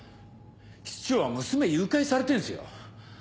室長は娘誘拐されてんすよ。